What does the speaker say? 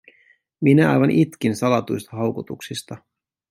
Minä aivan itkin salatuista haukotuksista.